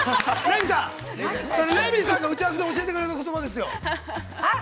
◆それ、レミさんが打ち合わせで教えてくれた言葉ですよ。